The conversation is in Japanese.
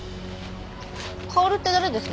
薫って誰です？